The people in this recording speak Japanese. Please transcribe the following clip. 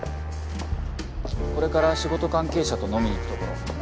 これから仕事関係者と飲みに行くところ。